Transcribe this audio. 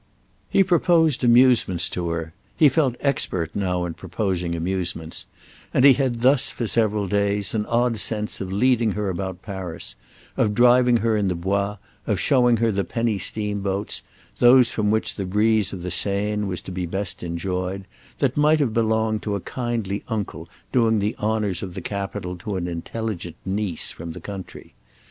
He proposed amusements to her; he felt expert now in proposing amusements; and he had thus, for several days, an odd sense of leading her about Paris, of driving her in the Bois, of showing her the penny steamboats—those from which the breeze of the Seine was to be best enjoyed—that might have belonged to a kindly uncle doing the honours of the capital to an intelligent niece from the country.